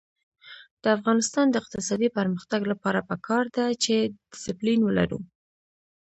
د افغانستان د اقتصادي پرمختګ لپاره پکار ده چې دسپلین ولرو.